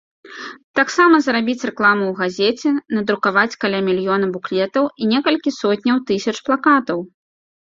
Таксама зрабіць рэкламу ў газеце, надрукаваць каля мільёна буклетаў і некалькі сотняў тысяч плакатаў.